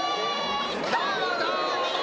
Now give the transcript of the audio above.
どうもどうも！